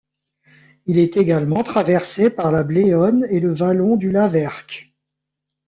Il est également traversé par la Bléone et le vallon du Laverq.